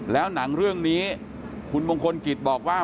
แล้วหนังเรื่องนี้คุณมงคลกิจบอกว่า